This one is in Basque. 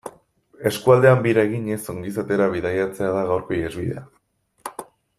Eskualdean bira eginez ongizatera bidaiatzea da gaurko ihesbidea.